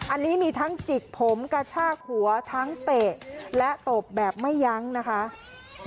อันนี้มีทั้งจิกผมกระชากหัวทั้งเตะและตบแบบไม่ยั้งนะคะ